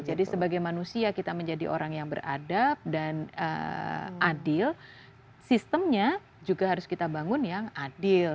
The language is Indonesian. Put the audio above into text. jadi sebagai manusia kita menjadi orang yang beradab dan adil sistemnya juga harus kita bangun yang adil